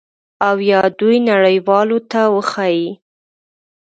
او یا دوی نړیوالو ته وښایي